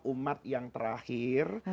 umat yang terakhir